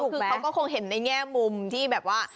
คือเขาก็คงเห็นในแง่มุมที่แบบว่า